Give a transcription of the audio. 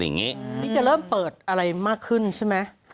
นี่จะเริ่มเปิดอะไรมากขึ้นใช่ไหม